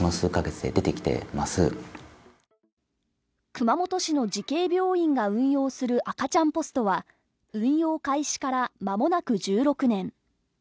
熊本市の慈恵病院が運用する赤ちゃんポストは運用開始から間もなく１６年。